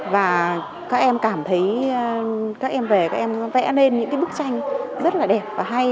và các em cảm thấy các em về các em vẽ lên những cái bức tranh rất là đẹp và hay